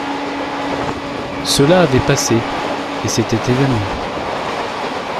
Cela avait passé et s’était évanoui.